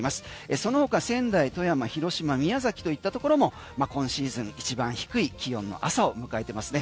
そのほか、仙台、富山広島、宮崎といったところも今シーズン一番低い気温の朝を迎えてますね。